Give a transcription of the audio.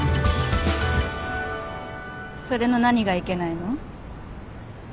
それの何がいけないの？